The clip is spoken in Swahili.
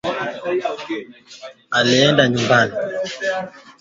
Tia kijiko kimoja cha chumvi kwenye nyama na uchemshe